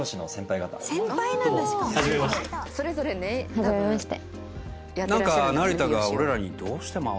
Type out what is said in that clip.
はじめまして。